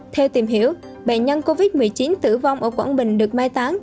theo tìm hiểu bệnh nhân covid một mươi chín tử vong ở quảng bình được mai tán